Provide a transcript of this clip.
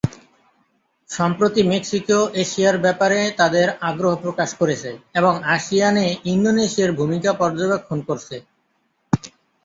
সম্প্রতি মেক্সিকো এশিয়ার ব্যাপারে তাদের আগ্রহ প্রকাশ করেছে এবং আসিয়ান-এ ইন্দোনেশিয়ার ভূমিকা পর্যবেক্ষণ করছে।